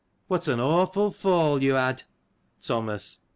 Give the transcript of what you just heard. What an awful fall you had. Thomas.